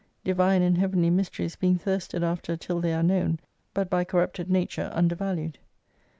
Divine and heavenly mysteries being thirsted after till they are known, but by cor rupted nature undervalued.